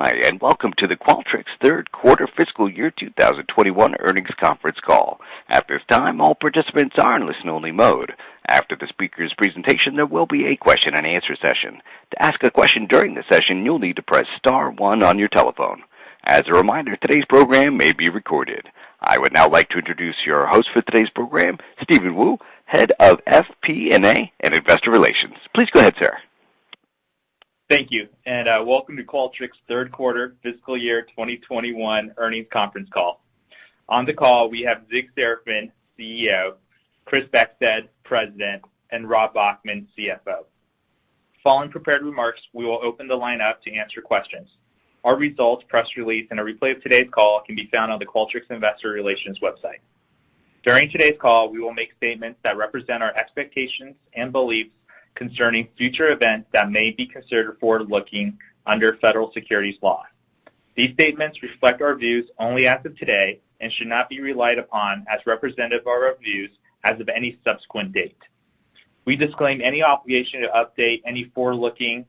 Hi, and welcome to the Qualtrics Q3 fiscal year 2021 earnings conference call. At this time, all participants are in listen only mode. After the speaker's presentation, there will be a question and answer session. To ask a question during the session, you'll need to press star one on your telephone. As a reminder, today's program may be recorded. I would now like to introduce your host for today's program, Steven Wu, Head of FP&A and Investor Relations. Please go ahead, sir. Thank you. Welcome to Qualtrics Q3 fiscal year 2021 earnings conference call. On the call we have Zig Serafin, CEO, Chris Beckstead, President, and Robert Bachman, CFO. Following prepared remarks, we will open the line up to answer questions. Our results, press release, and a replay of today's call can be found on the Qualtrics Investor Relations website. During today's call, we will make statements that represent our expectations and beliefs concerning future events that may be considered forward-looking under federal securities law. These statements reflect our views only as of today and should not be relied upon as representative of our views as of any subsequent date. We disclaim any obligation to update any forward-looking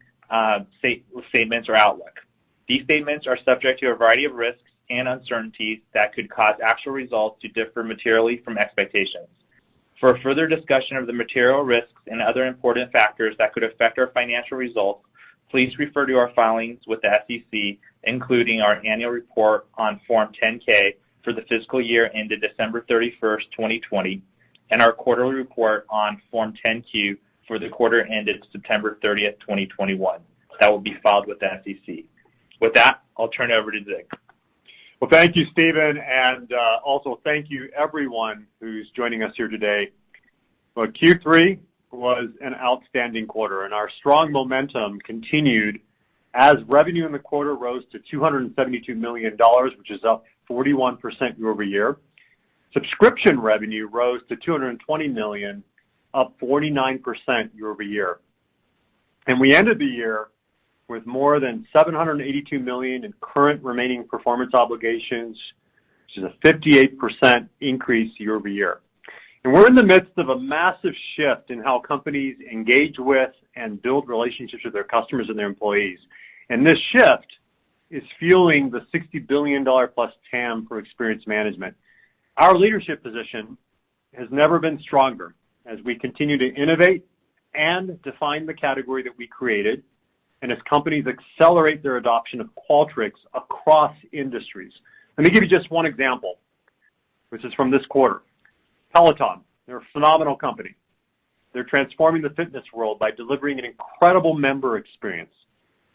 statements or outlook. These statements are subject to a variety of risks and uncertainties that could cause actual results to differ materially from expectations. For a further discussion of the material risks and other important factors that could affect our financial results, please refer to our filings with the SEC, including our annual report on Form 10-K for the fiscal year ended December 31st, 2020, and our quarterly report on Form 10-Q for the quarter ended September 30th, 2021, that will be filed with the SEC. With that, I'll turn it over to Zig. Thank you, Steven, thank you everyone who's joining us here today. Q3 was an outstanding quarter. Our strong momentum continued as revenue in the quarter rose to $272 million, which is up 41% year-over-year. Subscription revenue rose to $220 million, up 49% year-over-year. We ended the year with more than $782 million in current remaining performance obligations, which is a 58% increase year-over-year. We're in the midst of a massive shift in how companies engage with and build relationships with their customers and their employees. This shift is fueling the $60 billion plus TAM for Experience Management. Our leadership position has never been stronger as we continue to innovate and define the category that we created, and as companies accelerate their adoption of Qualtrics across industries. Let me give you just one example, which is from this quarter. Peloton. They're a phenomenal company. They're transforming the fitness world by delivering an incredible member experience.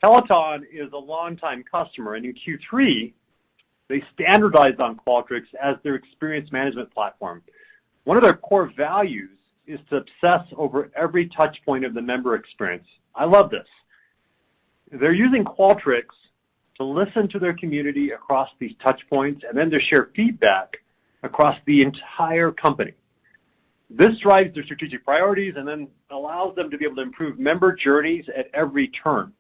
Peloton is a longtime customer, and in Q3 they standardized on Qualtrics as their Experience Management platform. One of their core values is to obsess over every touch point of the member experience. I love this. They're using Qualtrics to listen to their community across these touch points and then to share feedback across the entire company. This drives their strategic priorities and then allows them to be able to improve member journeys at every turn.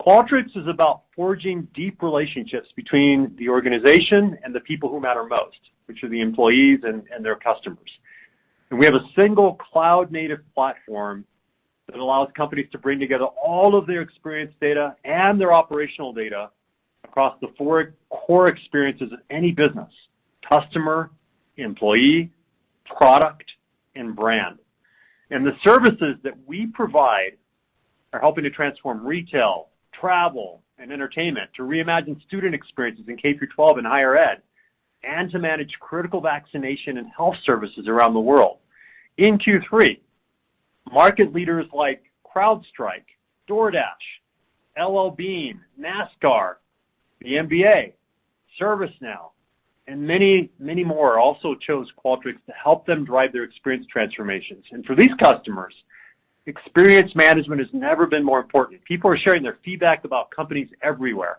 Qualtrics is about forging deep relationships between the organization and the people who matter most, which are the employees and their customers. We have a single cloud-native platform that allows companies to bring together all of their experience data and their operational data across the four core experiences of any business, customer, employee, product, and brand. The services that we provide are helping to transform retail, travel, and entertainment, to reimagine student experiences in K-12 and higher ed, and to manage critical vaccination and health services around the world. In Q3, market leaders like CrowdStrike, DoorDash, L.L.Bean, NASCAR, the NBA, ServiceNow, and many, many more also chose Qualtrics to help them drive their experience transformations. For these customers, Experience Management has never been more important. People are sharing their feedback about companies everywhere,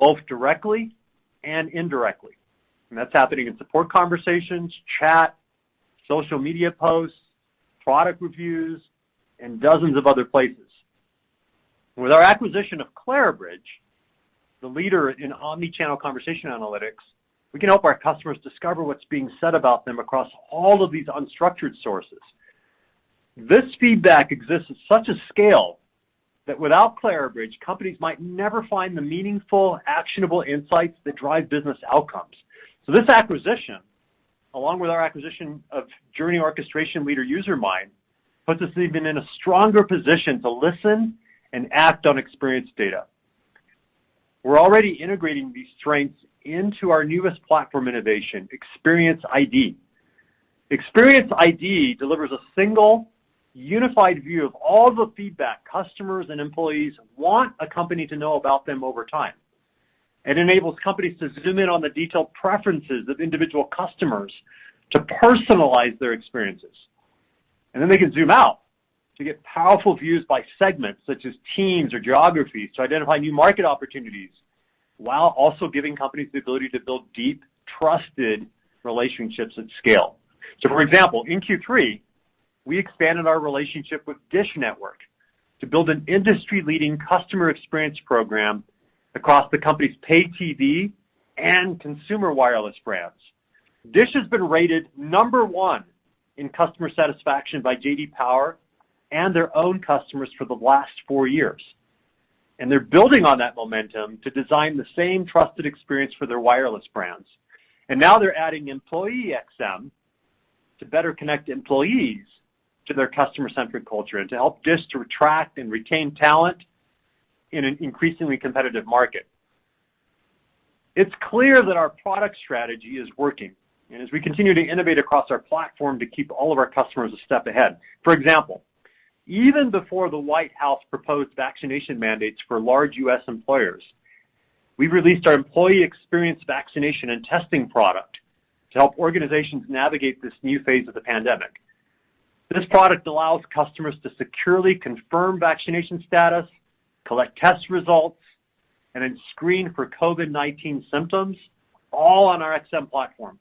both directly and indirectly, and that's happening in support conversations, chat, social media posts, product reviews, and dozens of other places. With our acquisition of Clarabridge, the leader in omni-channel conversation analytics, we can help our customers discover what's being said about them across all of these unstructured sources. This feedback exists at such a scale that without Clarabridge, companies might never find the meaningful, actionable insights that drive business outcomes. This acquisition, along with our acquisition of journey orchestration leader Usermind, puts us even in a stronger position to listen and act on experience data. We're already integrating these strengths into our newest platform innovation, Experience ID. Experience ID delivers a single unified view of all the feedback customers and employees want a company to know about them over time. It enables companies to zoom in on the detailed preferences of individual customers to personalize their experiences. They can zoom out to get powerful views by segments such as teams or geographies to identify new market opportunities, while also giving companies the ability to build deep, trusted relationships at scale. For example, in Q3, we expanded our relationship with DISH Network to build an industry-leading Customer Experience program across the company's pay TV and consumer wireless brands. DISH has been rated number one in customer satisfaction by J.D. Power and their own customers for the last four years. They're building on that momentum to design the same trusted experience for their wireless brands. They're adding EmployeeXM to better connect employees to their customer-centric culture and to help DISH to attract and retain talent in an increasingly competitive market. It's clear that our product strategy is working, as we continue to innovate across our platform to keep all of our customers a step ahead. For example, even before the White House proposed vaccination mandates for large U.S. employers, we released our Employee Experience vaccination and testing product to help organizations navigate this new phase of the pandemic. This product allows customers to securely confirm vaccination status, collect test results, and then screen for COVID-19 symptoms, all on our XM platform.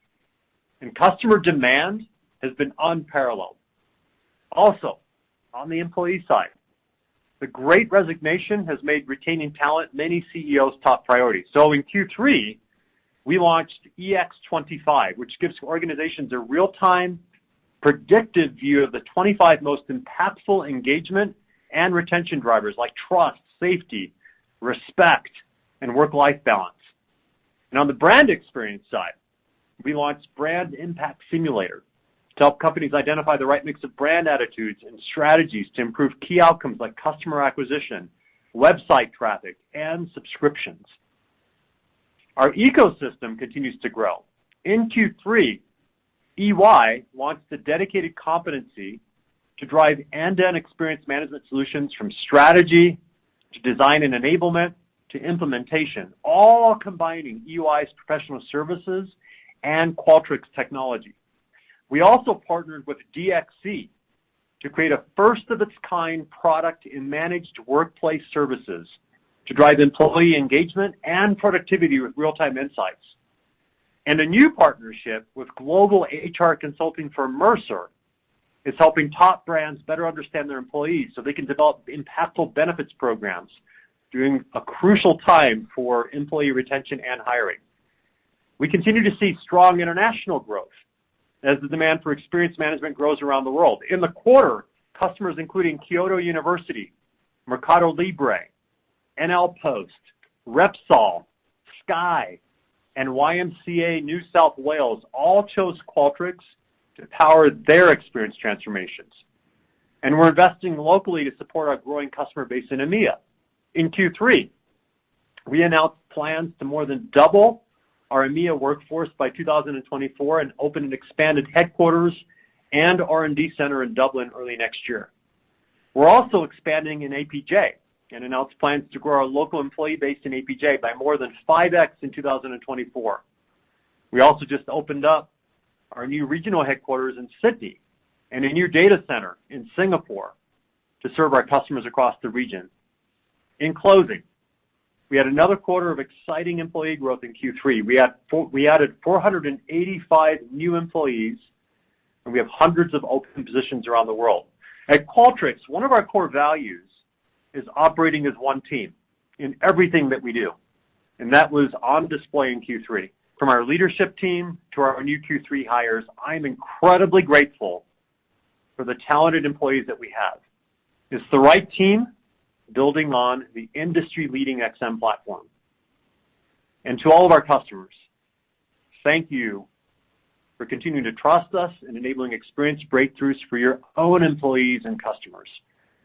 Customer demand has been unparalleled. Also, on the employee side, the great resignation has made retaining talent many CEOs' top priority. In Q3, we launched EX25, which gives organizations a real-time, predictive view of the 25 most impactful engagement and retention drivers, like trust, safety, respect, and work-life balance. On the brand experience side, we launched Brand Impact Simulator to help companies identify the right mix of brand attitudes and strategies to improve key outcomes like customer acquisition, website traffic, and subscriptions. Our ecosystem continues to grow. In Q3, EY launched a dedicated competency to drive end-to-end Experience Management solutions from strategy to design and enablement to implementation, all combining EY's professional services and Qualtrics technology. We also partnered with DXC to create a first-of-its-kind product in managed workplace services to drive employee engagement and productivity with real-time insights. A new partnership with global HR consulting firm Mercer is helping top brands better understand their employees so they can develop impactful benefits programs during a crucial time for employee retention and hiring. We continue to see strong international growth as the demand for Experience Management grows around the world. In the quarter, customers including Kyoto University, Mercado Libre, PostNL, Repsol, Sky, and YMCA New South Wales all chose Qualtrics to power their experience transformations. We're investing locally to support our growing customer base in EMEA. In Q3, we announced plans to more than double our EMEA workforce by 2024 and open an expanded headquarters and R&D center in Dublin early next year. We're also expanding in APJ, and announced plans to grow our local employee base in APJ by more than 5X in 2024. We also just opened up our new regional headquarters in Sydney, and a new data center in Singapore to serve our customers across the region. In closing, we had another quarter of exciting employee growth in Q3. We added 485 new employees, and we have hundreds of open positions around the world. At Qualtrics, one of our core values is operating as one team in everything that we do. That was on display in Q3. From our leadership team to our new Q3 hires, I'm incredibly grateful for the talented employees that we have. It's the right team building on the industry-leading XM platform. To all of our customers, thank you for continuing to trust us in enabling experience breakthroughs for your own employees and customers.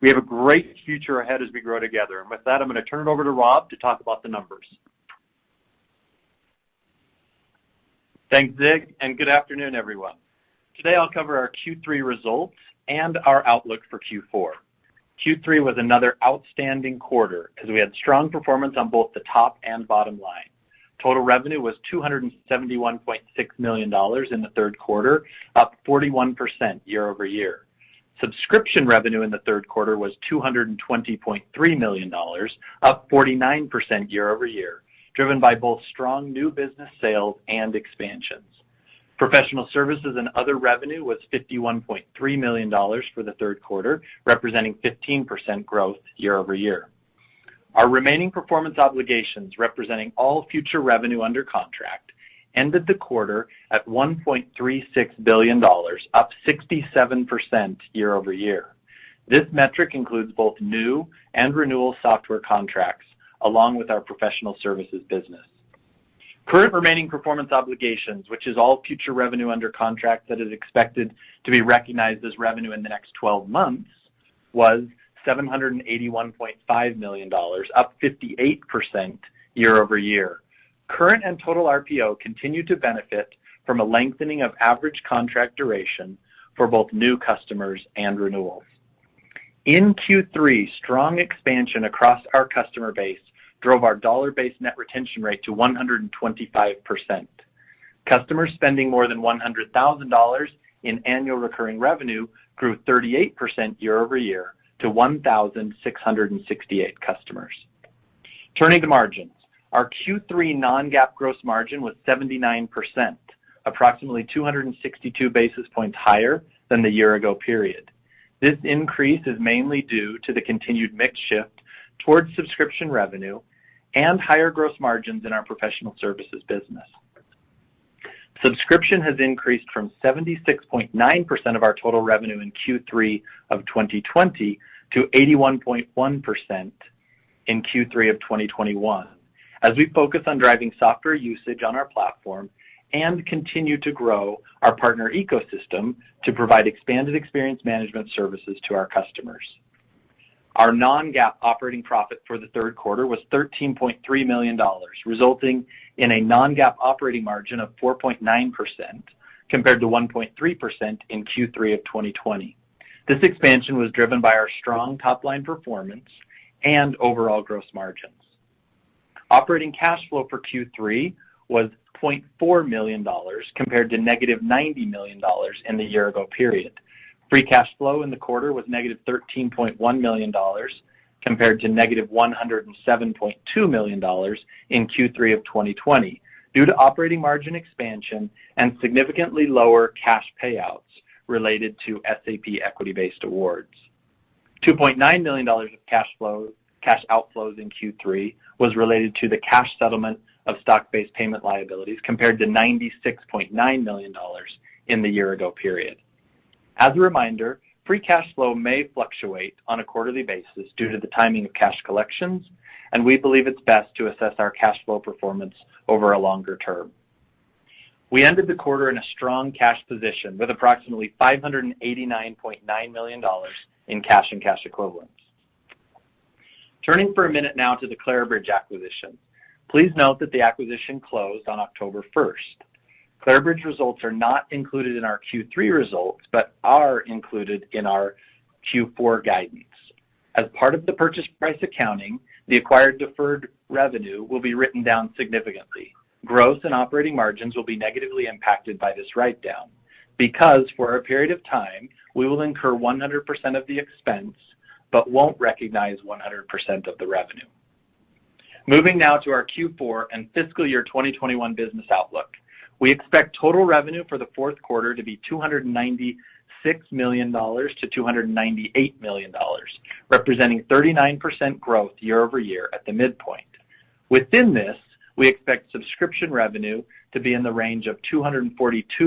We have a great future ahead as we grow together. With that, I'm going to turn it over to Rob to talk about the numbers. Thanks, Zig, good afternoon, everyone. Today I'll cover our Q3 results and our outlook for Q4. Q3 was another outstanding quarter, because we had strong performance on both the top and bottom line. Total revenue was $271.6 million in the Q3, up 41% year-over-year. Subscription revenue in the Q3 was $220.3 million, up 49% year-over-year, driven by both strong new business sales and expansions. Professional services and other revenue was $51.3 million for the Q3, representing 15% growth year-over-year. Our Remaining Performance Obligations, representing all future revenue under contract, ended the quarter at $1.36 billion, up 67% year-over-year. This metric includes both new and renewal software contracts, along with our professional services business. Current remaining performance obligations, which is all future revenue under contract that is expected to be recognized as revenue in the next 12 months, was $781.5 million, up 58% year-over-year. Current and total RPO continue to benefit from a lengthening of average contract duration for both new customers and renewals. In Q3, strong expansion across our customer base drove our dollar-based net retention rate to 125%. Customers spending more than $100,000 in annual recurring revenue grew 38% year-over-year to 1,668 customers. Turning to margins, our Q3 non-GAAP gross margin was 79%, approximately 262 basis points higher than the year ago period. This increase is mainly due to the continued mix shift towards subscription revenue and higher gross margins in our professional services business. Subscription has increased from 76.9% of our total revenue in Q3 of 2020 to 81.1% in Q3 of 2021, as we focus on driving software usage on our platform and continue to grow our partner ecosystem to provide expanded Experience Management services to our customers. Our non-GAAP operating profit for the Q3 was $13.3 million, resulting in a non-GAAP operating margin of 4.9%, compared to 1.3% in Q3 of 2020. This expansion was driven by our strong top-line performance and overall gross margins. Operating cash flow for Q3 was $0.4 million, compared to negative $90 million in the year-ago period. Free cash flow in the quarter was -$13.1 million, compared to -$107.2 million in Q3 2020 due to operating margin expansion and significantly lower cash payouts related to SAP equity-based awards. $2.9 million of cash outflows in Q3 was related to the cash settlement of stock-based payment liabilities, compared to $96.9 million in the year-ago period. As a reminder, free cash flow may fluctuate on a quarterly basis due to the timing of cash collections, and we believe it's best to assess our cash flow performance over a longer term. We ended the quarter in a strong cash position with approximately $589.9 million in cash and cash equivalents. Turning for a minute now to the Clarabridge acquisition. Please note that the acquisition closed on October 1st. Clarabridge results are not included in our Q3 results but are included in our Q4 guidance. As part of the purchase price accounting, the acquired deferred revenue will be written down significantly. Growth and operating margins will be negatively impacted by this writedown because, for a period of time, we will incur 100% of the expense but won't recognize 100% of the revenue. Moving now to our Q4 and fiscal year 2021 business outlook. We expect total revenue for the Q4 to be $296 million-$298 million, representing 39% growth year-over-year at the midpoint. Within this, we expect subscription revenue to be in the range of $242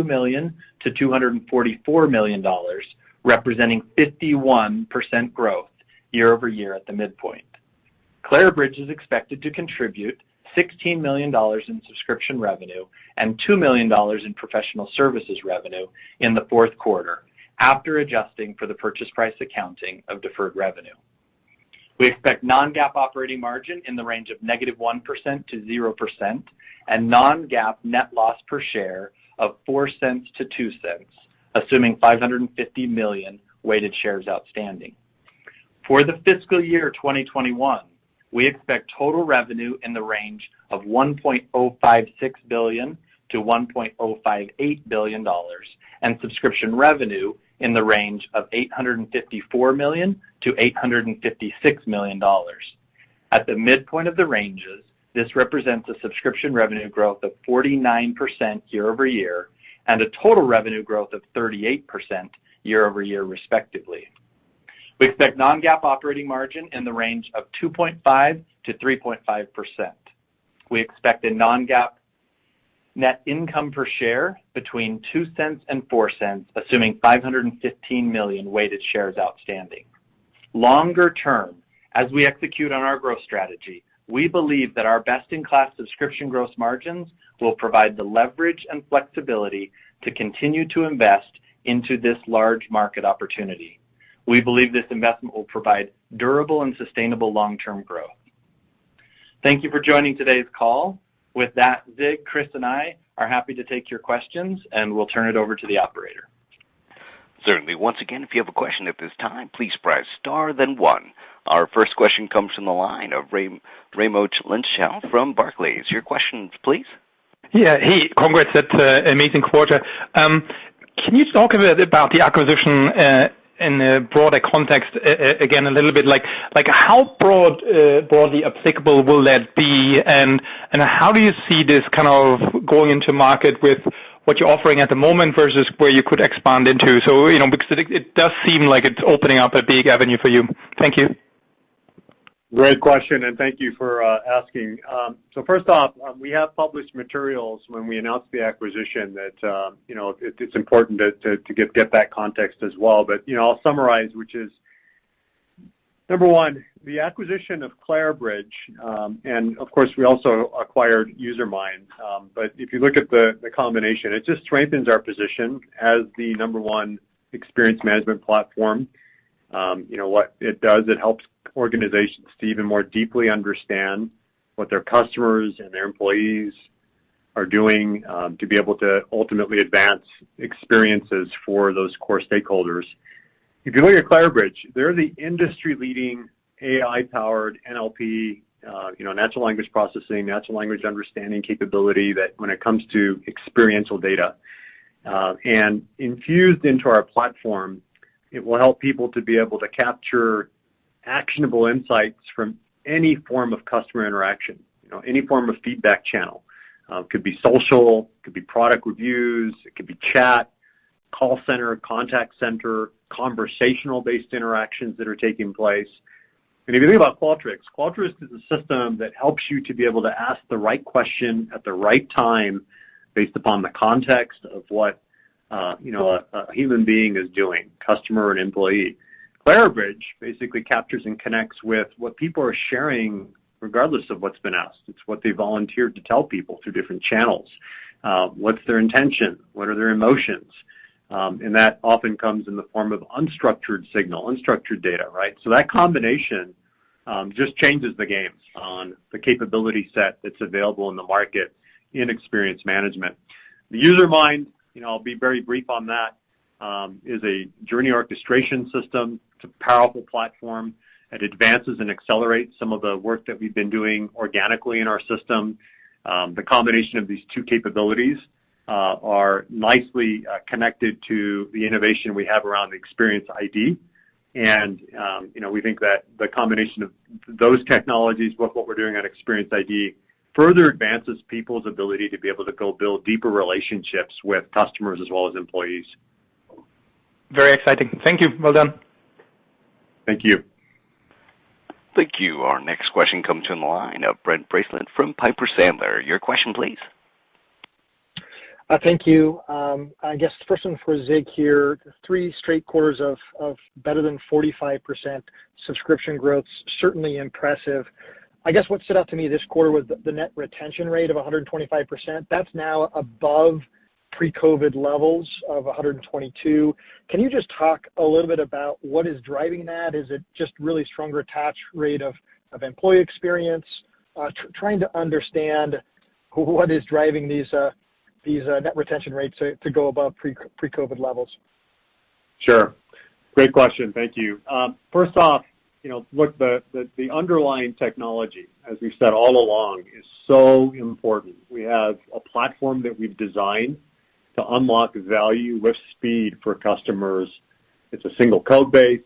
million-$244 million, representing 51% growth year-over-year at the midpoint. Clarabridge is expected to contribute $16 million in subscription revenue and $2 million in professional services revenue in the Q4 after adjusting for the purchase price accounting of deferred revenue. We expect non-GAAP operating margin in the range of negative 1% to 0% and non-GAAP net loss per share of $0.04 to $0.02, assuming 550 million weighted shares outstanding. For the fiscal year 2021, we expect total revenue in the range of $1.056 billion-$1.058 billion and subscription revenue in the range of $854 million-$856 million. At the midpoint of the ranges, this represents a subscription revenue growth of 49% year-over-year and a total revenue growth of 38% year-over-year, respectively. We expect non-GAAP operating margin in the range of 2.5%-3.5%. We expect a non-GAAP net income per share between $0.02 and $0.04, assuming 515 million weighted shares outstanding. Longer term, as we execute on our growth strategy, we believe that our best-in-class subscription gross margins will provide the leverage and flexibility to continue to invest into this large market opportunity. We believe this investment will provide durable and sustainable long-term growth. Thank you for joining today's call. With that, Zig, Chris, and I are happy to take your questions, and we'll turn it over to the operator. Certainly. Once again, if you have a question at this time, please press star then one. Our first question comes from the line of Raimo Lenschow from Barclays. Your questions, please. Yeah. Hey, congrats. That's a amazing quarter. Can you talk a bit about the acquisition in a broader context again a little bit? Like how broadly applicable will that be, and how do you see this kind of going into market with what you're offering at the moment versus where you could expand into? Because it does seem like it's opening up a big avenue for you. Thank you. Great question. Thank you for asking. First off, we have published materials when we announced the acquisition that it's important to get that context as well. I'll summarize, which is, number one, the acquisition of Clarabridge, and of course, we also acquired Usermind. If you look at the combination, it just strengthens our position as the number one Experience Management platform. What it does, it helps organizations to even more deeply understand what their customers and their employees are doing to be able to ultimately advance experiences for those core stakeholders. If you look at Clarabridge, they're the industry-leading AI-powered NLP, natural language processing, natural language understanding capability that when it comes to experiential data. Infused into our platform, it will help people to be able to capture actionable insights from any form of customer interaction, any form of feedback channel. Could be social, could be product reviews, it could be chat. Call center, contact center, conversational-based interactions that are taking place. If you think about Qualtrics is a system that helps you to be able to ask the right question at the right time based upon the context of what a human being is doing, customer and employee. Clarabridge basically captures and connects with what people are sharing regardless of what's been asked. It's what they volunteered to tell people through different channels. What's their intention? What are their emotions? That often comes in the form of unstructured signal, unstructured data. That combination just changes the game on the capability set that's available in the market in Experience Management. The Usermind, I'll be very brief on that, is a journey orchestration system. It's a powerful platform. It advances and accelerates some of the work that we've been doing organically in our system. The combination of these two capabilities are nicely connected to the innovation we have around Experience ID. We think that the combination of those technologies with what we're doing on Experience ID further advances people's ability to be able to go build deeper relationships with customers as well as employees. Very exciting. Thank you. Well done. Thank you. Thank you. Our next question comes in the line of Brent Bracelin from Piper Sandler. Your question, please. Thank you. I guess the first one for Zig here, three straight quarters of better than 45% subscription growth's certainly impressive. I guess what stood out to me this quarter was the net retention rate of 125%. That's now above pre-COVID levels of 122. Can you just talk a little bit about what is driving that? Is it just really stronger attach rate of Employee Experience? Trying to understand what is driving these net retention rates to go above pre-COVID levels. Sure. Great question. Thank you. First off, look, the underlying technology, as we've said all along, is so important. We have a platform that we've designed to unlock value with speed for customers. It's a single code base.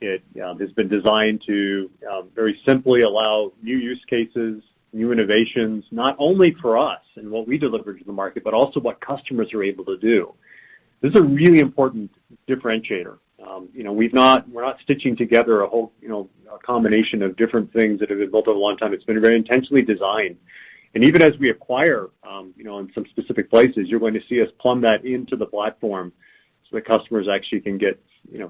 It has been designed to very simply allow new use cases, new innovations, not only for us and what we deliver to the market, but also what customers are able to do. This is a really important differentiator. We're not stitching together a whole combination of different things that have been built over a long time. It's been very intentionally designed. Even as we acquire, in some specific places, you're going to see us plumb that into the platform so that customers actually can get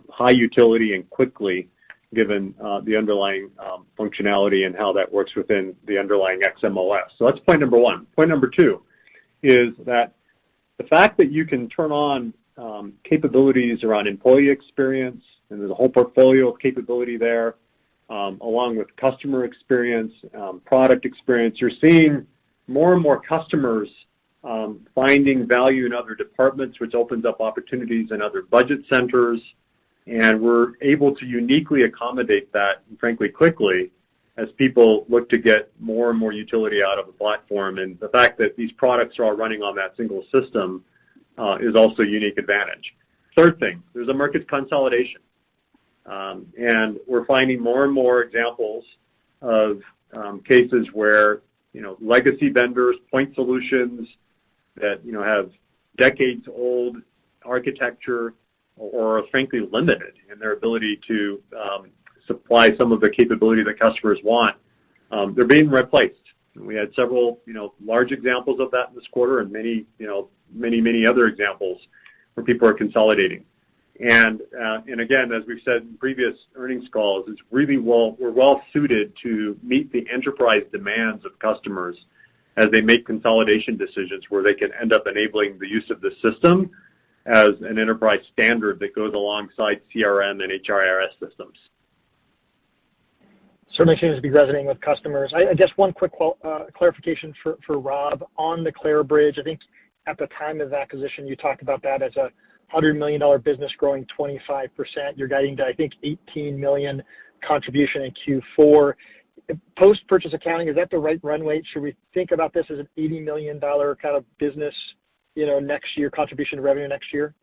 high utility and quickly, given the underlying functionality and how that works within the underlying XM OS. That's point number one. Point number two is that the fact that you can turn on capabilities around Employee Experience, and there's a whole portfolio of capability there, along with Customer Experience, Product Experience. You're seeing more and more customers finding value in other departments, which opens up opportunities in other budget centers, we're able to uniquely accommodate that, and frankly, quickly, as people look to get more and more utility out of the platform. The fact that these products are all running on that single system, is also a unique advantage. Third thing, there's a market consolidation. We're finding more and more examples of cases where legacy vendors, point solutions that have decades-old architecture or are frankly limited in their ability to supply some of the capability that customers want. They're being replaced. We had several large examples of that this quarter and many other examples where people are consolidating. Again, as we've said in previous earnings calls, we're well-suited to meet the enterprise demands of customers as they make consolidation decisions where they can end up enabling the use of the system as an enterprise standard that goes alongside CRM and HRIS systems. Certainly seems to be resonating with customers. Just one quick clarification for Rob on the Clarabridge. I think at the time of acquisition, you talked about that as a $100 million business growing 25%. You're guiding to, I think, $18 million contribution in Q4. Post purchase accounting, is that the right runway? Should we think about this as an $80 million kind of business next year, contribution to revenue next year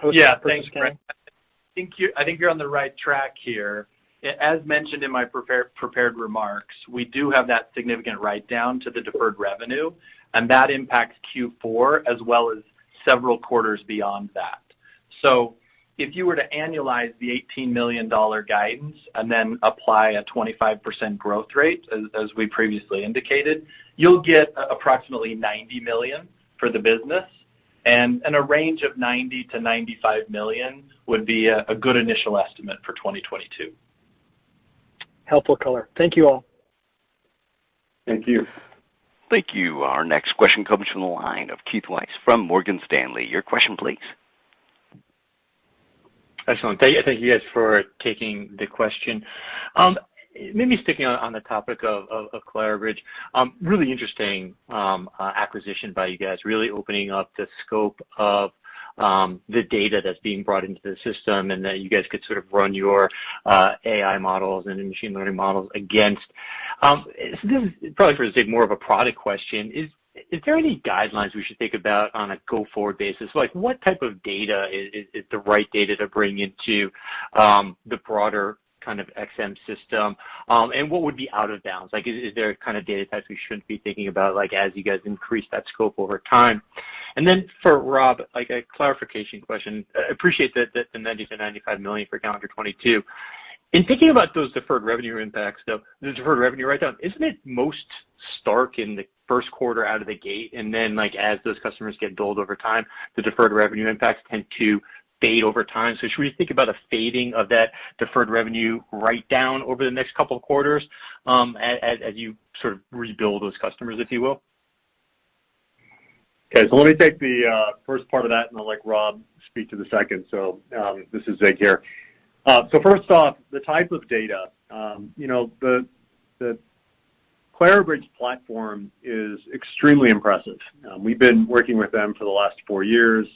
post purchase accounting? Yeah. Thanks, Brent Bracelin. I think you're on the right track here. As mentioned in my prepared remarks, we do have that significant write-down to the deferred revenue, and that impacts Q4 as well as several quarters beyond that. If you were to annualize the $18 million guidance and then apply a 25% growth rate, as we previously indicated, you'll get approximately $90 million for the business, and a range of $90 million-$95 million would be a good initial estimate for 2022. Helpful color. Thank you all. Thank you. Thank you. Our next question comes from the line of Keith Weiss from Morgan Stanley. Your question, please. Excellent. Thank you guys for taking the question. Maybe sticking on the topic of Clarabridge, really interesting acquisition by you guys, really opening up the scope of the data that's being brought into the system and that you guys could sort of run your AI models and your machine learning models against. This is probably for Zig, more of a product question. Is there any guidelines we should think about on a go-forward basis? What type of data is the right data to bring into the broader kind of XM system? What would be out of bounds? Is there kind of data types we shouldn't be thinking about as you guys increase that scope over time? Then for Rob, a clarification question. I appreciate the $90 million-$95 million for calendar 2022. In thinking about those deferred revenue impacts, though, the deferred revenue write-down, isn't it most stark in the Q1 out of the gate, and then as those customers get billed over time, the deferred revenue impacts tend to fade over time? Should we think about a fading of that deferred revenue write-down over the next couple of quarters as you sort of rebuild those customers, if you will? Okay. Let me take the first part of that, and I'll let Rob speak to the second. This is Zig here. First off, the type of data. The Clarabridge platform is extremely impressive. We've been working with them for the last four years.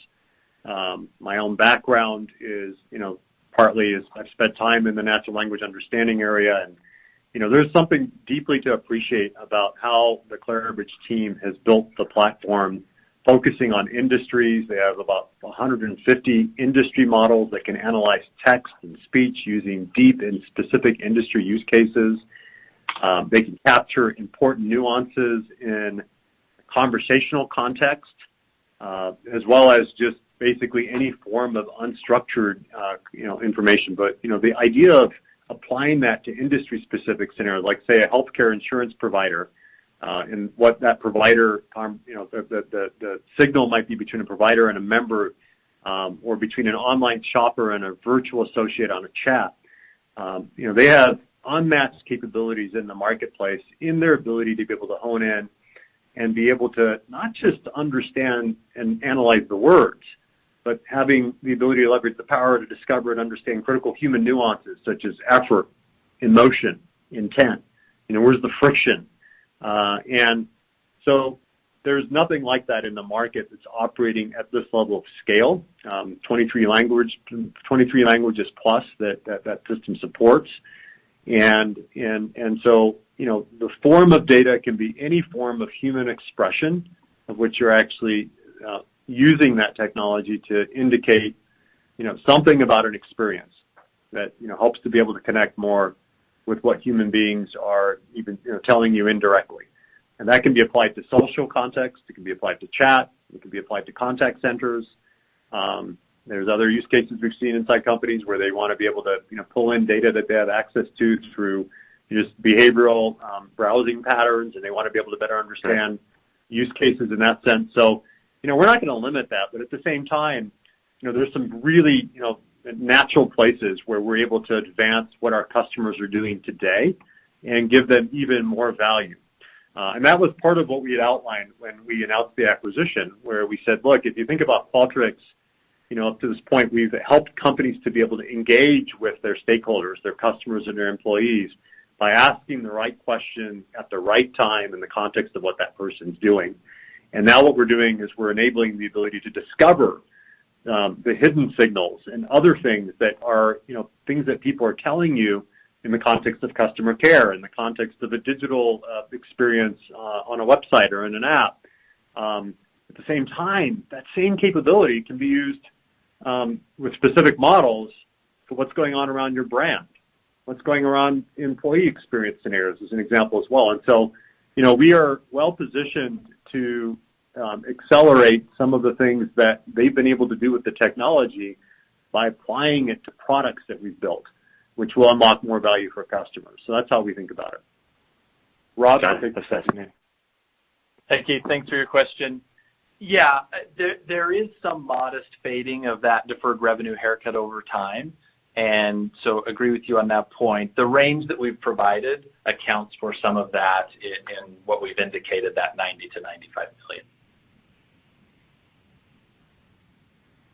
My own background is, partly is I've spent time in the natural language understanding area, and there's something deeply to appreciate about how the Clarabridge team has built the platform focusing on industries. They have about 150 industry models that can analyze text and speech using deep and specific industry use cases. They can capture important nuances in conversational context, as well as just basically any form of unstructured information. The idea of applying that to industry-specific scenarios, like, say, a healthcare insurance provider, and what the signal might be between a provider and a member, or between an online shopper and a virtual associate on a chat. They have unmatched capabilities in the marketplace in their ability to be able to hone in and be able to not just understand and analyze the words, but having the ability to leverage the power to discover and understand critical human nuances such as effort, emotion, intent. Where's the friction? There's nothing like that in the market that's operating at this level of scale. 23 languages plus that system supports. The form of data can be any form of human expression of which you're actually using that technology to indicate something about an experience that hopes to be able to connect more with what human beings are even telling you indirectly. That can be applied to social context, it can be applied to chat, it can be applied to contact centers. There's other use cases we've seen inside companies where they want to be able to pull in data that they have access to through just behavioral browsing patterns, and they want to be able to better understand use cases in that sense. We're not going to limit that, but at the same time, there's some really natural places where we're able to advance what our customers are doing today and give them even more value. That was part of what we had outlined when we announced the acquisition, where we said, "Look, if you think about Qualtrics, up to this point, we've helped companies to be able to engage with their stakeholders, their customers, and their employees by asking the right questions at the right time in the context of what that person's doing." Now what we're doing is we're enabling the ability to discover the hidden signals and other things that are things that people are telling you in the context of customer care, in the context of a digital experience on a website or in an app. The same time, that same capability can be used with specific models for what's going on around your brand. What's going around Employee Experience scenarios, as an example as well. We are well-positioned to accelerate some of the things that they've been able to do with the technology by applying it to products that we've built, which will unlock more value for customers. That's how we think about it. Rob? Got it. Thank you. Thanks for your question. Yeah. There is some modest fading of that deferred revenue haircut over time. Agree with you on that point. The range that we've provided accounts for some of that in what we've indicated, that $90 million-$95 million.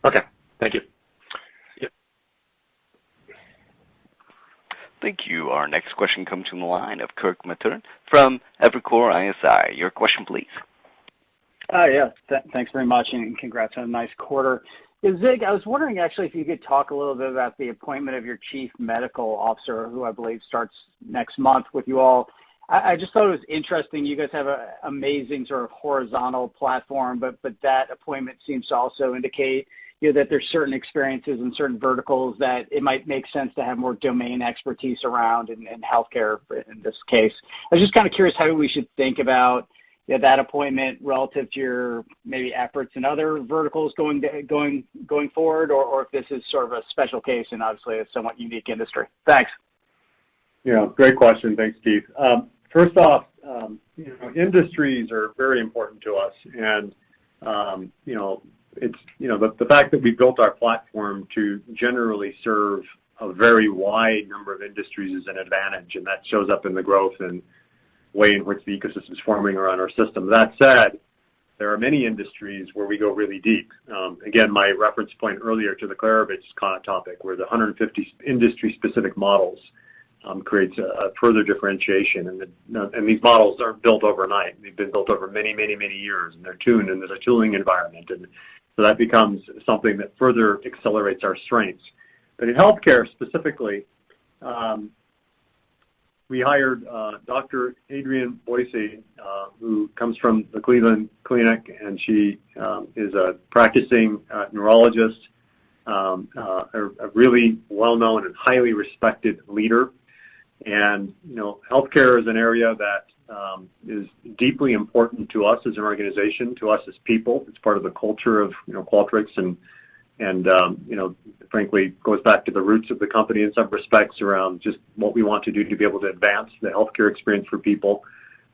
Okay. Thank you. Yep. Thank you. Our next question comes from the line of Kirk Materne from Evercore ISI. Your question please. Yeah. Thanks very much, and congrats on a nice quarter. Zig, I was wondering, actually, if you could talk a little bit about the appointment of your Chief Medical Officer, who I believe starts next month with you all. I just thought it was interesting you guys have an amazing sort of horizontal platform, but that appointment seems to also indicate that there's certain experiences and certain verticals that it might make sense to have more domain expertise around, in healthcare, in this case. I was just kind of curious how we should think about that appointment relative to your maybe efforts in other verticals going forward, or if this is sort of a special case in obviously a somewhat unique industry. Thanks. Yeah. Great question. Thanks, Kirk. First off, industries are very important to us, and the fact that we built our platform to generally serve a very wide number of industries is an advantage, and that shows up in the growth and way in which the ecosystem is forming around our system. That said, there are many industries where we go really deep. Again, my reference point earlier to the Clarabridge kind of topic, where the 150 industry-specific models creates a further differentiation. These models aren't built overnight. They've been built over many years, and they're tuned in a tooling environment. That becomes something that further accelerates our strengths. In healthcare specifically, we hired Dr. Adrienne Boissy, who comes from the Cleveland Clinic, and she is a practicing neurologist, a really well-known and highly respected leader. Healthcare is an area that is deeply important to us as an organization, to us as people. It's part of the culture of Qualtrics and frankly, goes back to the roots of the company in some respects around just what we want to do to be able to advance the healthcare experience for people.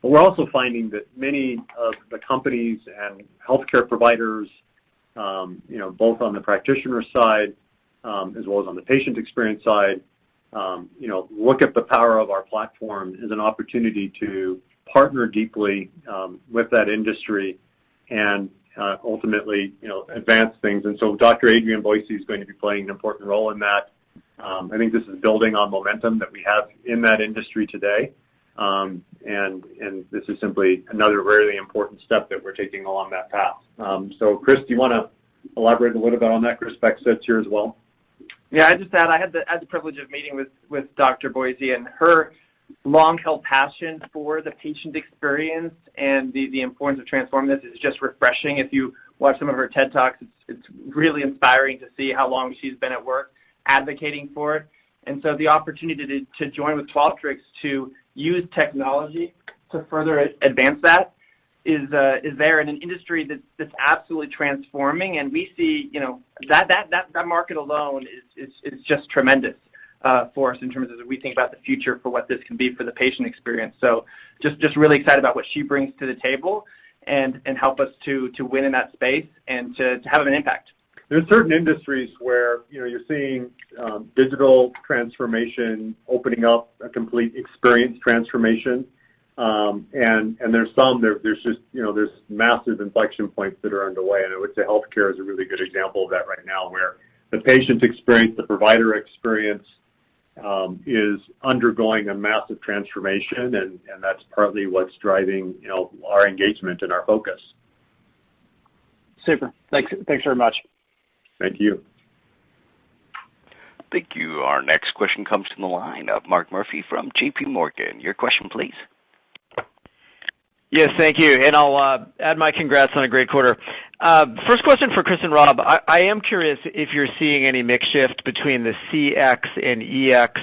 We're also finding that many of the companies and healthcare providers, both on the practitioner side as well as on the patient experience side look at the power of our platform as an opportunity to partner deeply with that industry and, ultimately, advance things. Dr. Adrienne Boissy is going to be playing an important role in that. I think this is building on momentum that we have in that industry today. This is simply another really important step that we're taking along that path. Chris, do you want to elaborate a little bit on that respect since you're as well? Yeah, I just had the privilege of meeting with Dr. Boissy, and her long-held passion for the patient experience and the importance of transforming this is just refreshing. If you watch some of her TED Talks, it's really inspiring to see how long she's been at work advocating for it. The opportunity to join with Qualtrics to use technology to further advance that is there in an industry that's absolutely transforming, and we see that market alone is just tremendous for us in terms of as we think about the future for what this can be for the patient experience. Just really excited about what she brings to the table and help us to win in that space and to have an impact. There are certain industries where you're seeing digital transformation opening up a complete experience transformation. There's massive inflection points that are underway, and I would say healthcare is a really good example of that right now, where the patient experience, the provider experience, is undergoing a massive transformation, and that's partly what's driving our engagement and our focus. Super. Thanks very much. Thank you. Thank you. Our next question comes from the line of Mark Murphy from JPMorgan. Your question, please. Yes, thank you. I'll add my congrats on a great quarter. First question for Chris and Rob, I am curious if you're seeing any mix shift between the CX and EX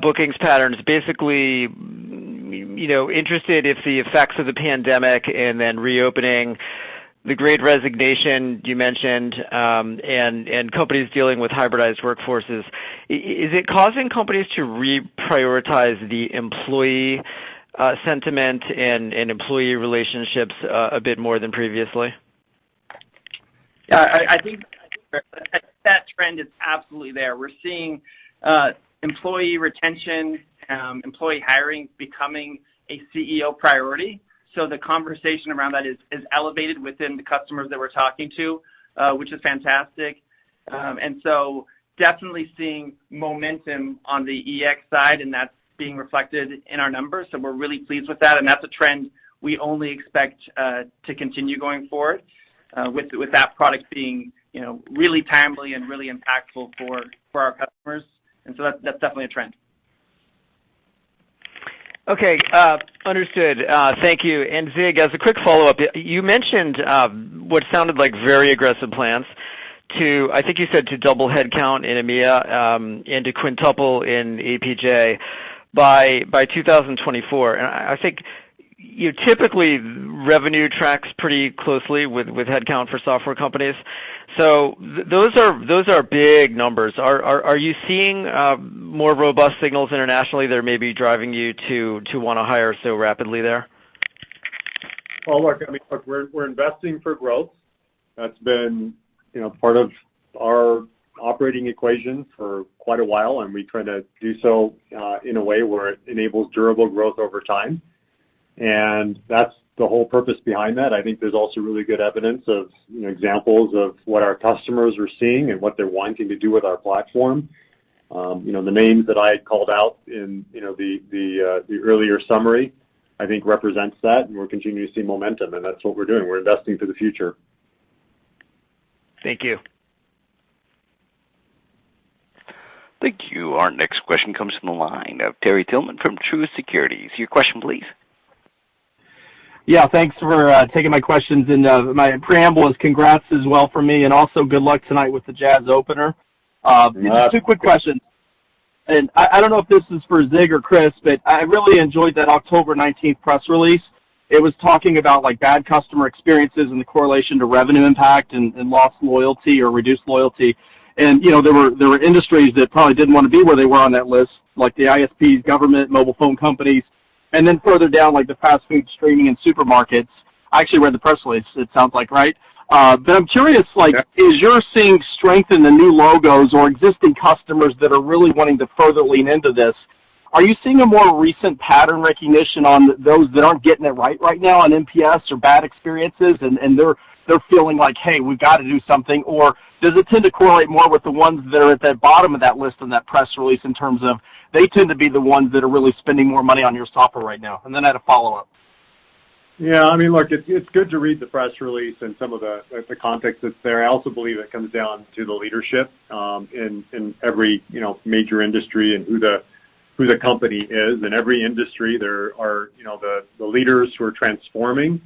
bookings patterns. Basically, interested if the effects of the pandemic and then reopening, the great resignation you mentioned, and companies dealing with hybridized workforces, is it causing companies to reprioritize the employee sentiment and employee relationships a bit more than previously? I think that trend is absolutely there. We're seeing employee retention, employee hiring becoming a CEO priority. The conversation around that is elevated within the customers that we're talking to, which is fantastic. Definitely seeing momentum on the EX side, and that's being reflected in our numbers. We're really pleased with that, and that's a trend we only expect to continue going forward, with that product being really timely and really impactful for our customers. That's definitely a trend. Okay. Understood. Thank you. Zig, as a quick follow-up, you mentioned what sounded like very aggressive plans to, I think you said, to double headcount in EMEA, and to quintuple in APJ by 2024. I think you typically revenue tracks pretty closely with headcount for software companies. Those are big numbers. Are you seeing more robust signals internationally that are maybe driving you to want to hire so rapidly there? Well, look, I mean, look, we're investing for growth. That's been part of our operating equation for quite a while. We try to do so in a way where it enables durable growth over time. That's the whole purpose behind that. I think there's also really good evidence of examples of what our customers are seeing and what they're wanting to do with our platform. The names that I had called out in the earlier summary, I think represents that. We're continuing to see momentum. That's what we're doing. We're investing for the future. Thank you. Thank you. Our next question comes from the line of Terry Tillman from Truist Securities. Your question, please. Yeah, thanks for taking my questions, and my preamble is congrats as well from me, and also good luck tonight with the Jazz opener. Yeah. Two quick questions. I don't know if this is for Zig or Chris, I really enjoyed that October 19th press release. It was talking about bad customer experiences and the correlation to revenue impact and lost loyalty or reduced loyalty. There were industries that probably didn't want to be where they were on that list, like the ISPs, government, mobile phone companies, and then further down, like the fast food, streaming, and supermarkets. I actually read the press release, it sounds like, right? I'm curious, as you're seeing strength in the new logos or existing customers that are really wanting to further lean into this, are you seeing a more recent pattern recognition on those that aren't getting it right now on NPS or bad experiences, and they're feeling like, "Hey, we've got to do something," or does it tend to correlate more with the ones that are at the bottom of that list in that press release in terms of they tend to be the ones that are really spending more money on your software right now? Then I had a follow-up. Yeah, I mean, look, it's good to read the press release and some of the context that's there. I also believe it comes down to the leadership, in every major industry and who the company is. In every industry, there are the leaders who are transforming.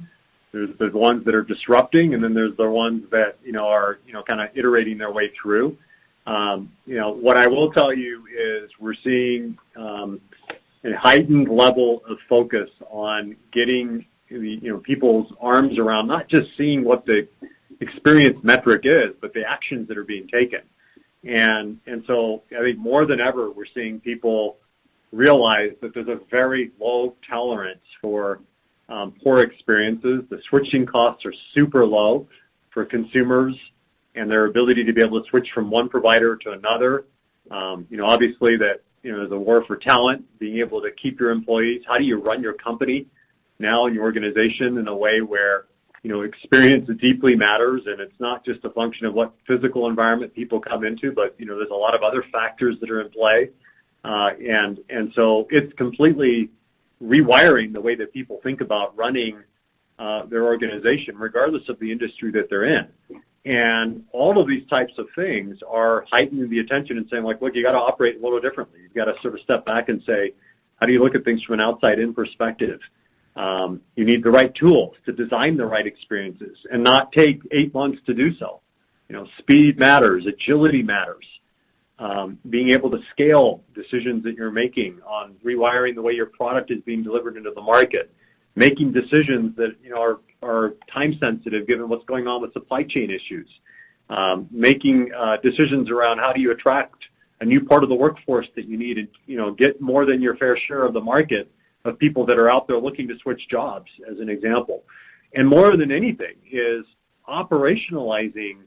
There's the ones that are disrupting, and then there's the ones that are kind of iterating their way through. What I will tell you is we're seeing a heightened level of focus on getting people's arms around not just seeing what the experience metric is, but the actions that are being taken. I think more than ever, we're seeing people realize that there's a very low tolerance for poor experiences. The switching costs are super low for consumers, and their ability to be able to switch from one provider to another. Obviously, there's a war for talent, being able to keep your employees. How do you run your company now, and your organization in a way where experience deeply matters, and it's not just a function of what physical environment people come into, but there's a lot of other factors that are in play. It's completely rewiring the way that people think about running their organization, regardless of the industry that they're in. All of these types of things are heightening the attention and saying, "Look, you got to operate a little differently." You've got to sort of step back and say, "How do you look at things from an outside-in perspective?" You need the right tools to design the right experiences and not take eight months to do so. Speed matters. Agility matters. Being able to scale decisions that you're making on rewiring the way your product is being delivered into the market. Making decisions that are time sensitive, given what's going on with supply chain issues. Making decisions around how do you attract a new part of the workforce that you need, and get more than your fair share of the market of people that are out there looking to switch jobs, as an example. More than anything is operationalizing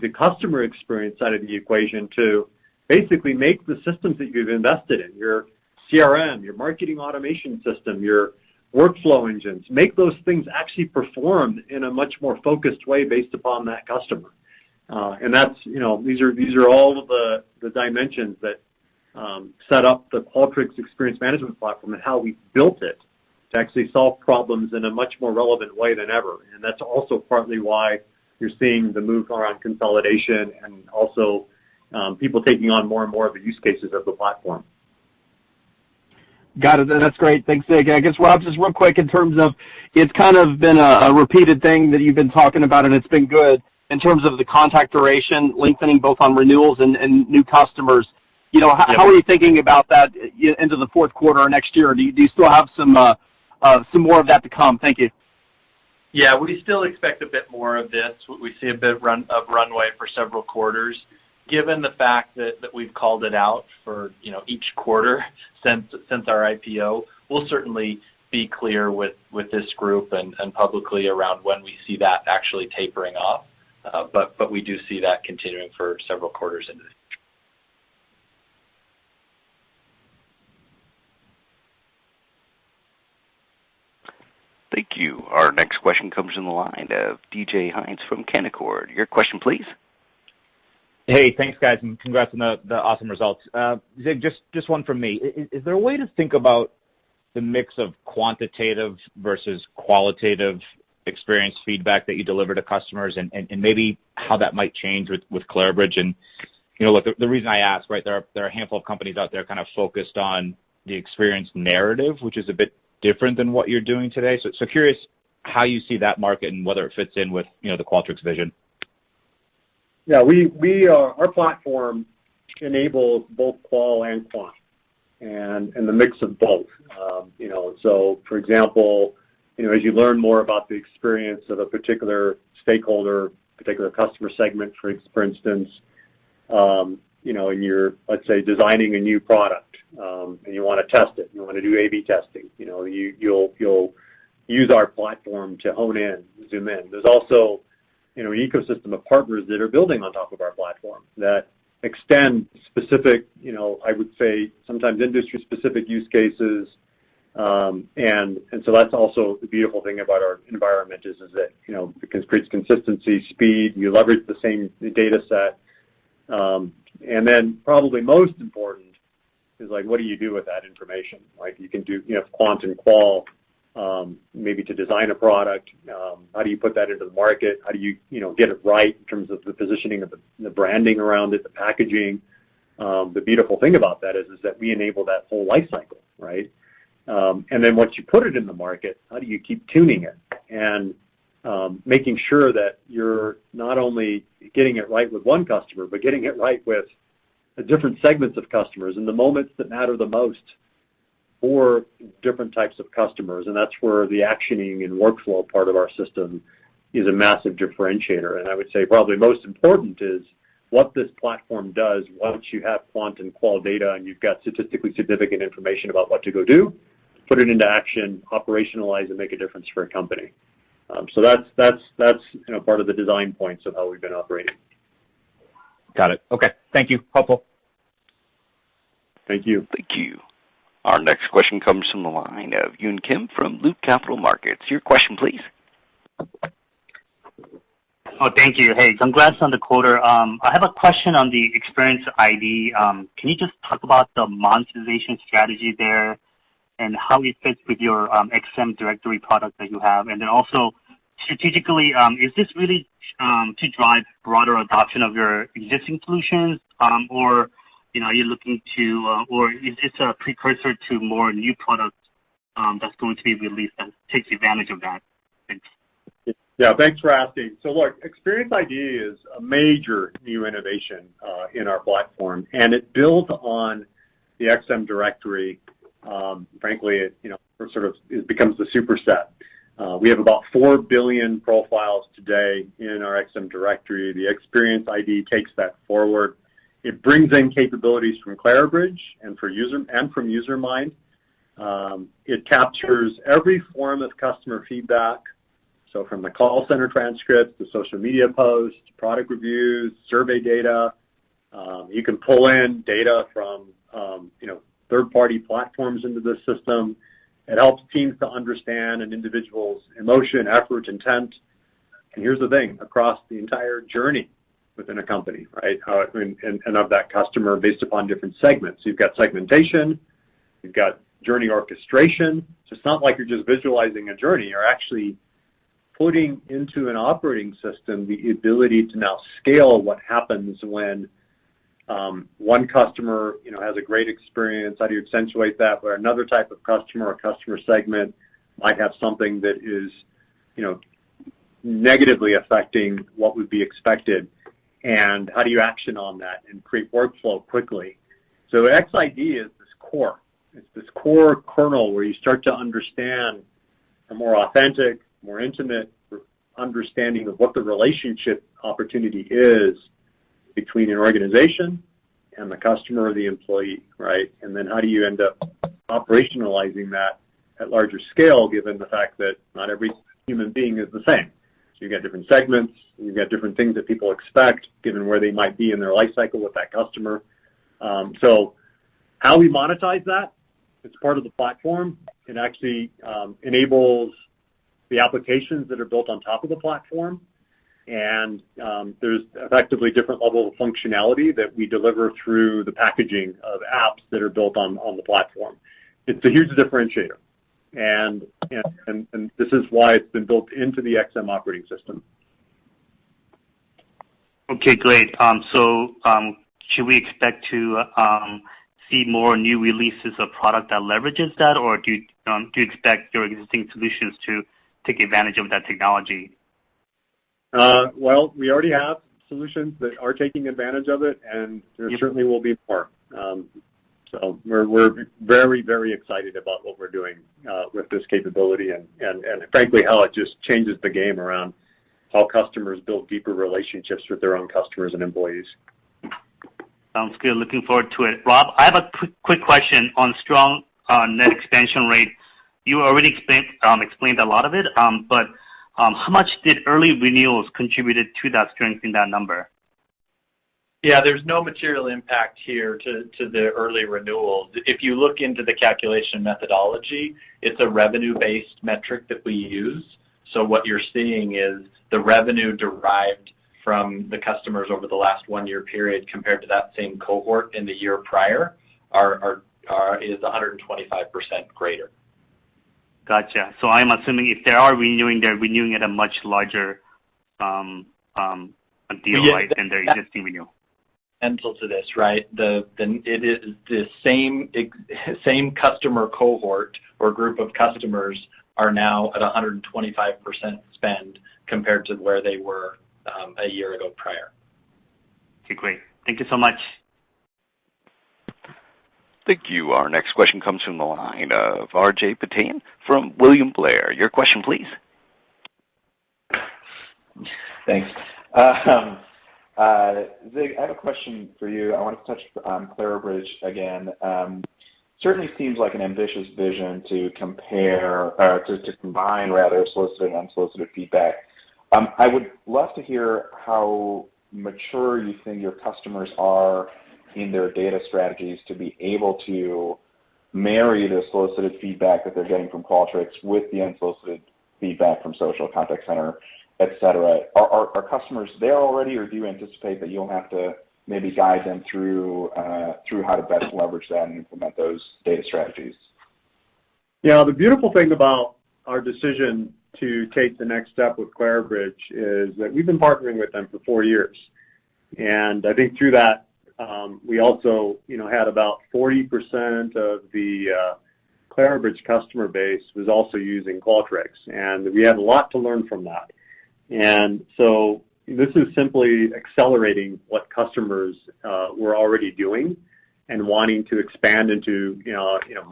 the Customer Experience side of the equation to basically make the systems that you've invested in, your CRM, your marketing automation system, your workflow engines, make those things actually perform in a much more focused way based upon that customer. These are all of the dimensions that set up the Qualtrics Experience Management platform and how we built it to actually solve problems in a much more relevant way than ever. That's also partly why you're seeing the move around consolidation and also people taking on more and more of the use cases of the platform. Got it. That's great. Thanks, Zig. I guess, Rob, just real quick, in terms of, it's kind of been a repeated thing that you've been talking about, and it's been good in terms of the contact duration lengthening, both on renewals and new customers. Yeah. How are you thinking about that into the Q4 or next year? Do you still have some more of that to come? Thank you. Yeah. We still expect a bit more of this. We see a bit of runway for several quarters. Given the fact that we've called it out for each quarter since our IPO, we'll certainly be clear with this group and publicly around when we see that actually tapering off. We do see that continuing for several quarters into. Thank you. Our next question comes from the line of DJ Hynes from Canaccord. Your question, please. Hey, thanks, guys, and congrats on the awesome results. Zig, just one from me. Is there a way to think about the mix of quantitative versus qualitative experience feedback that you deliver to customers, and maybe how that might change with Clarabridge? Look, the reason I ask, there are a handful of companies out there kind of focused on the experience narrative, which is a bit different than what you're doing today. Curious how you see that market and whether it fits in with the Qualtrics vision. Yeah. Our platform enables both qual and quant, and the mix of both. For example, as you learn more about the experience of a particular stakeholder, particular customer segment, for instance, and you're, let's say, designing a new product, and you want to test it, you want to do A/B testing, you'll use our platform to hone in, zoom in. There's also an ecosystem of partners that are building on top of our platform that extend specific, I would say, sometimes industry-specific use cases. That's also the beautiful thing about our environment, is that it creates consistency, speed, and you leverage the same data set. Probably most important is what do you do with that information? Like you can do quant and qual, maybe to design a product. How do you put that into the market? How do you get it right in terms of the positioning of the branding around it, the packaging? The beautiful thing about that is that we enable that whole life cycle, right? Once you put it in the market, how do you keep tuning it, and making sure that you're not only getting it right with one customer, but getting it right with the different segments of customers in the moments that matter the most for different types of customers. That's where the actioning and workflow part of our system is a massive differentiator. I would say probably most important is what this platform does once you have quant and qual data, and you've got statistically significant information about what to go do, put it into action, operationalize, and make a difference for a company. That's part of the design points of how we've been operating. Got it. Okay. Thank you. Helpful. Thank you. Thank you. Our next question comes from the line of Yun Kim from Loop Capital Markets. Your question, please. Oh, thank you. Hey, congrats on the quarter. I have a question on the Experience ID. Can you just talk about the monetization strategy there, and how it fits with your XM Directory product that you have? Then also, strategically, is this really to drive broader adoption of your existing solutions, or are you looking to, or is this a precursor to more new products that's going to be released that takes advantage of that? Thanks. Yeah, thanks for asking. Look, Experience ID is a major new innovation in our platform, and it builds on the XM Directory. Frankly, it sort of becomes the superset. We have about 4 billion profiles today in our XM Directory. The Experience ID takes that forward. It brings in capabilities from Clarabridge and from Usermind. It captures every form of customer feedback. From the call center transcripts to social media posts, product reviews, survey data. You can pull in data from third-party platforms into the system. It helps teams to understand an individual's emotion, effort, intent, and here's the thing, across the entire journey within a company, and of that customer based upon different segments. You've got segmentation, you've got journey orchestration. It's not like you're just visualizing a journey. You're actually putting into an operating system the ability to now scale what happens when one customer has a great experience. How do you accentuate that? Where another type of customer or customer segment might have something that is negatively affecting what would be expected, and how do you action on that and create workflow quickly? XID is this core, it's this core kernel where you start to understand a more authentic, more intimate understanding of what the relationship opportunity is between an organization and the customer or the employee. How do you end up operationalizing that at larger scale, given the fact that not every human being is the same? You've got different segments, and you've got different things that people expect, given where they might be in their life cycle with that customer. How we monetize that, it's part of the platform. It actually enables the applications that are built on top of the platform, and there's effectively different level of functionality that we deliver through the packaging of apps that are built on the platform. Here's the differentiator, and this is why it's been built into the XM Operating System. Okay, great. Should we expect to see more new releases of product that leverages that, or do you expect your existing solutions to take advantage of that technology? Well, we already have solutions that are taking advantage of it, and there certainly will be more. We're very excited about what we're doing with this capability and frankly, how it just changes the game around how customers build deeper relationships with their own customers and employees. Sounds good. Looking forward to it. Rob, I have a quick question on strong net expansion rates. You already explained a lot of it, but how much did early renewals contributed to that strength in that number? Yeah, there's no material impact here to the early renewals. If you look into the calculation methodology, it's a revenue-based metric that we use. What you're seeing is the revenue derived from the customers over the last one-year period compared to that same cohort in the year prior is 125% greater. Got you. I'm assuming if they are renewing, they're renewing at a much larger deal life than their existing renewal. Central to this, right? It is the same customer cohort or group of customers are now at 125% spend compared to where they were a year ago prior. Okay, great. Thank you so much. Thank you. Our next question comes from the line of Arjun Bhatia from William Blair. Your question please. Thanks. Zig, I have a question for you. I wanted to touch on Clarabridge again. Certainly seems like an ambitious vision to compare, or to combine rather, solicited, unsolicited feedback. I would love to hear how mature you think your customers are in their data strategies to be able to marry the solicited feedback that they're getting from Qualtrics with the unsolicited feedback from social contact center, et cetera. Are customers there already, or do you anticipate that you'll have to maybe guide them through how to best leverage that and implement those data strategies? Yeah, the beautiful thing about our decision to take the next step with Clarabridge is that we've been partnering with them for four years. I think through that, we also had about 40% of the Clarabridge customer base was also using Qualtrics. We had a lot to learn from that. This is simply accelerating what customers were already doing and wanting to expand into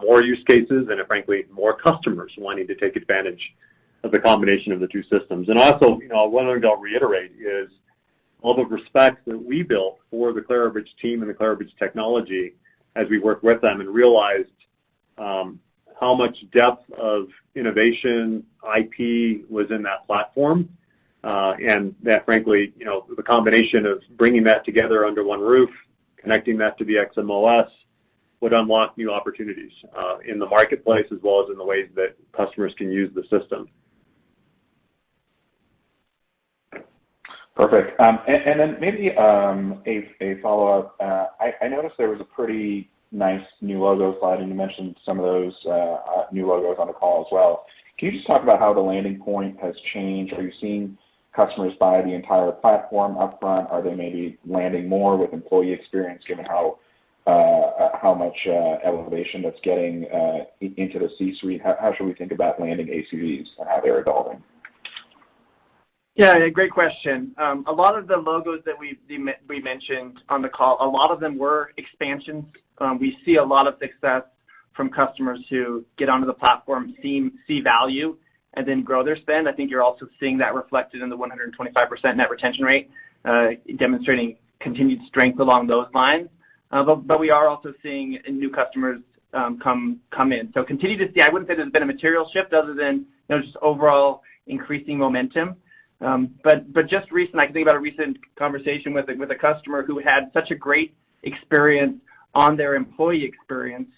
more use cases and frankly, more customers wanting to take advantage of the combination of the two systems. Also, one thing I'll reiterate is all the respect that we built for the Clarabridge team and the Clarabridge technology as we worked with them and realized how much depth of innovation IP was in that platform. That frankly, the combination of bringing that together under one roof, connecting that to the XM OS would unlock new opportunities, in the marketplace as well as in the ways that customers can use the system. Perfect. Then maybe a follow-up. I noticed there was a pretty nice new logo slide, and you mentioned some of those new logos on the call as well. Can you just talk about how the landing point has changed? Are you seeing customers buy the entire platform upfront? Are they maybe landing more with Employee Experience, given how much elevation that's getting into the C-suite? How should we think about landing ACVs and how they're evolving? Great question. A lot of the logos that we mentioned on the call, a lot of them were expansions. We see a lot of success from customers who get onto the platform, see value, and then grow their spend. I think you're also seeing that reflected in the 125% net retention rate, demonstrating continued strength along those lines. We are also seeing new customers come in. I wouldn't say there's been a material shift other than just overall increasing momentum. Just recent, I can think about a recent conversation with a customer who had such a great experience on their Employee Experience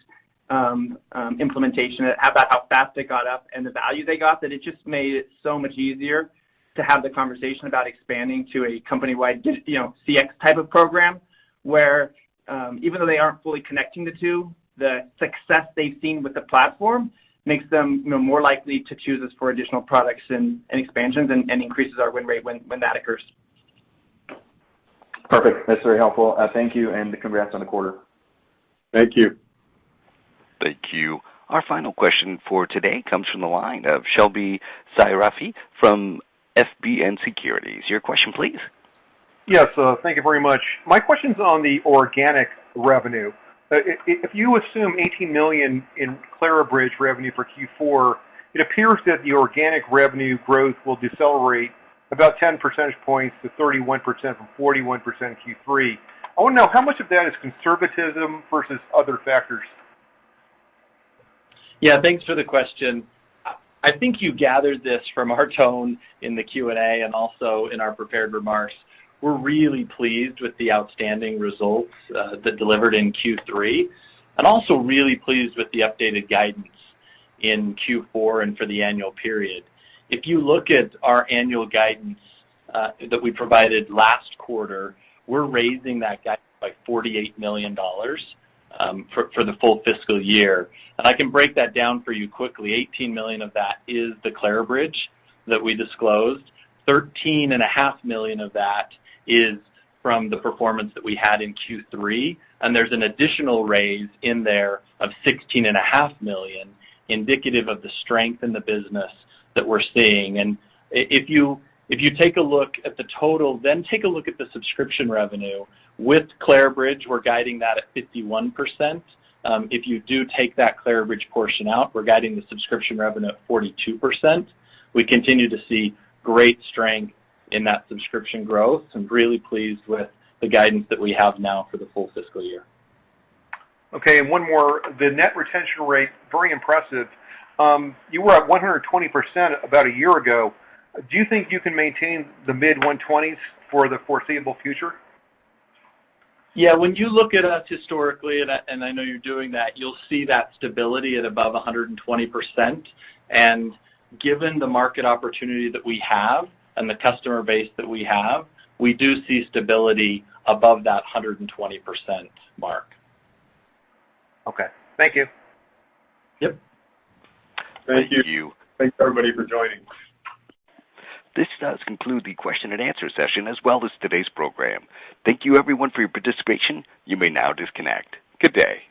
implementation, about how fast it got up and the value they got, that it just made it so much easier to have the conversation about expanding to a company-wide CX type of program, where, even though they aren't fully connecting the two, the success they've seen with the platform makes them more likely to choose us for additional products and expansions, and increases our win rate when that occurs. Perfect. That's very helpful. Thank you, and congrats on the quarter. Thank you. Thank you. Our final question for today comes from the line of Shebly Seyrafi from FBN Securities. Your question, please. Yes, thank you very much. My question's on the organic revenue. If you assume $18 million in Clarabridge revenue for Q4, it appears that the organic revenue growth will decelerate about 10 percentage points to 31% from 41% in Q3. I want to know, how much of that is conservatism versus other factors? Yeah, thanks for the question. I think you gathered this from our tone in the Q&A and also in our prepared remarks. We're really pleased with the outstanding results that delivered in Q3, and also really pleased with the updated guidance in Q4 and for the annual period. If you look at our annual guidance that we provided last quarter, we're raising that guidance by $48 million for the full fiscal year. I can break that down for you quickly. $18 million of that is the Clarabridge that we disclosed. $13.5 million of that is from the performance that we had in Q3, and there's an additional raise in there of $16.5 million, indicative of the strength in the business that we're seeing. If you take a look at the total, take a look at the subscription revenue. With Clarabridge, we're guiding that at 51%. If you do take that Clarabridge portion out, we're guiding the subscription revenue at 42%. We continue to see great strength in that subscription growth, and really pleased with the guidance that we have now for the full fiscal year. Okay, one more. The net retention rate, very impressive. You were at 120% about a year ago. Do you think you can maintain the mid-120s for the foreseeable future? Yeah. When you look at us historically, and I know you're doing that, you'll see that stability at above 120%. Given the market opportunity that we have and the customer base that we have, we do see stability above that 120% mark. Okay. Thank you. Yep. Thank you. Thank you. Thanks, everybody, for joining. This does conclude the question-and-answer session, as well as today's program. Thank you, everyone, for your participation. You may now disconnect. Good day.